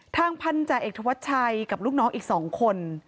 ทางพันธาเอกธวัชชัยกับลูกน้องอีก๒คน